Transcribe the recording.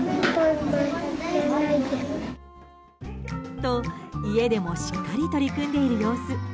と、家でもしっかり取り組んでいる様子。